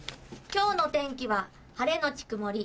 「今日の天気はぁ晴れ後曇り」。